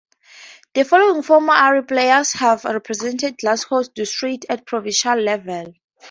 The following former Ayr players have represented Glasgow District at provincial level.